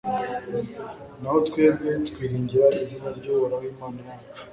naho twebwe twiringira izina ry'uhoraho imana yacu